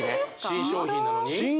新商品なのに？